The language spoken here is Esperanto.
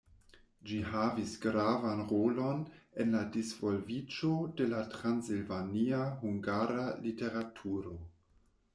Ĝi havis gravan rolon en la disvolviĝo de la transilvania hungara literaturo.